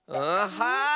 はい！